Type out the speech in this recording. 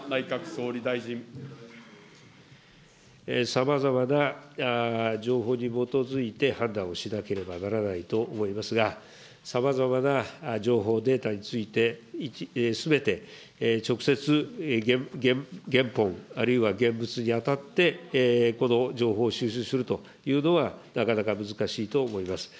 さまざまな情報に基づいて判断をしなければならないと思いますが、さまざまな情報、データについて、すべて直接、原本、あるいは現物に当たってこの情報収集するというのは、なかなか難しいと思います。